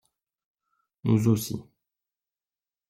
Nous aussi